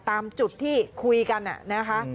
ตามจุดที่คุยกันนะคะ